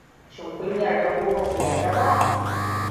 Shin kun yarda ko baku yarda ba?